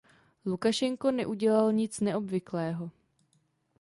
Lukašenko neudělal nic neobvyklého.